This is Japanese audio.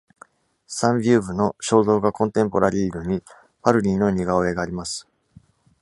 サン・ビューヴの『肖像画コンテンポラリーヌ』にパルニーの似顔絵があります。